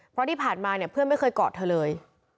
เพราะที่ผ่านมาเนี่ยเพื่อนไม่เคยกอดเธอเลย